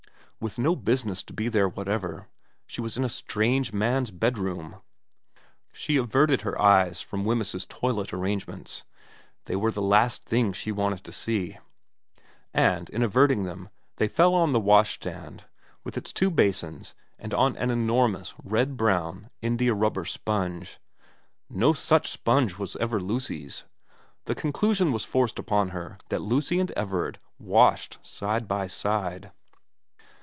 With no business to be there whatever, she was in a strange man's bedroom. She averted her eyes from Wemyss's toilet arrangements, they were the last things she wanted to see ; and, in averting them, they fell on the washstand with its two basins and on an enormous red brown indiarubber sponge. No such sponge was ever Lucy's. The conclusion was forced upon her that Lucy and Everard washed side by side.